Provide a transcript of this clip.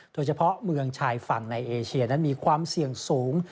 โดยเฉพาะเมืองชายฝั่งในเอเชียนั้นมีความเสี่ยงสูง